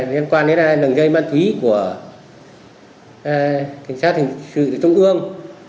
liên quan đến đường dây ma túy của cảnh sát hình sự trung ương